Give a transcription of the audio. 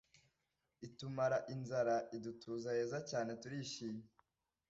itumara inzara, idutuza heza cyane turishimye